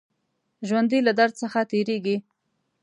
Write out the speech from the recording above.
ژوندي له درد څخه تېرېږي